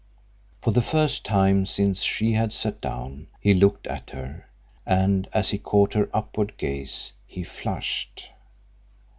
For the first time since she had sat down he looked at her, and as he caught her upward gaze he flushed.